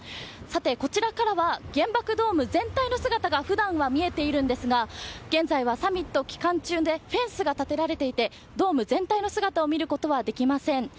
こちらからは原爆ドーム全体の姿が普段は見えているんですが現在はサミット期間中でフェンスが建てられていてドーム全体の姿を見ることはできません。